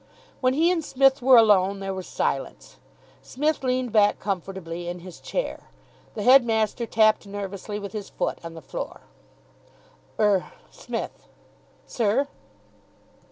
When he and Psmith were alone, there was silence. Psmith leaned back comfortably in his chair. The headmaster tapped nervously with his foot on the floor. "Er Smith." "Sir?"